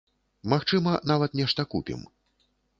Магчыма, нават нешта купім.